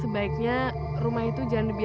buat raimanda i